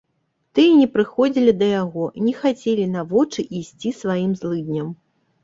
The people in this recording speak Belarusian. Тыя не прыходзілі да яго, не хацелі на вочы ісці сваім злыдням.